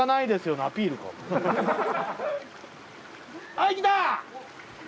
はいきた！